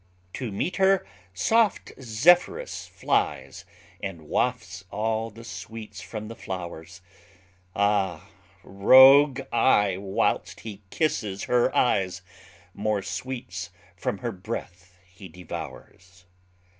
To meet her soft Zephyrus flies, And wafts all the sweets from the flowers, Ah, rogue I whilst he kisses her eyes, More sweets from her breath he devours.